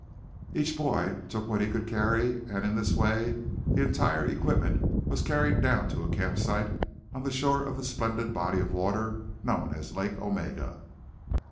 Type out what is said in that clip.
Each boy took what he could carry, and in this way the entire equipment was carried down to a camp site on the shore of the splendid body of water known as Lake Omega.